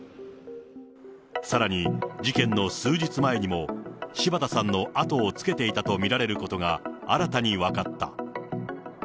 さらに、事件の数日前にも、柴田さんの後をつけていたと見られることが新たに分かった。